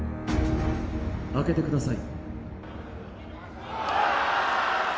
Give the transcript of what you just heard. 開けてください。